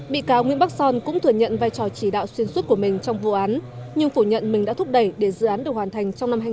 bị cáo nguyễn bắc son cũng thừa nhận vai trò chỉ đạo xuyên suốt của mình trong vụ án nhưng phủ nhận mình đã thúc đẩy để dự án được hoàn thành trong năm hai nghìn hai mươi